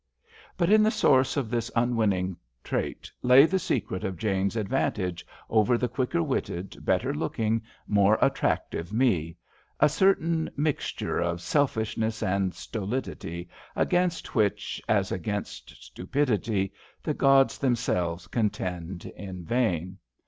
But in the source of this unwinning trait lay the secret of Jane's advantage over the quicker witted, better looking, more attrac tive Me —^ certain mixture of selfishness and stolidity against which, as against stupidity, the gods themselves contend in vain.